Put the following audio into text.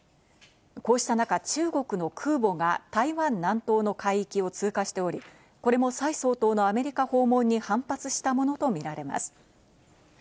こうした中、中国の空母が台湾南東の海域を通過しており、これもサイ総統のアメリカ訪問に反発したものとみられます。